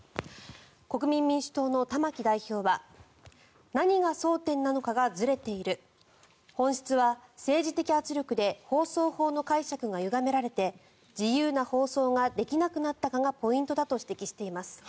国民民主党の玉木代表は何が争点なのかがずれている本質は政治的圧力で放送法の解釈がゆがめられて自由な放送ができなくなったかがポイントだと指摘しています。